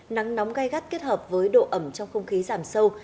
nắng nóng gai gắt kết hợp với độ ẩm trong không khí giảm sâu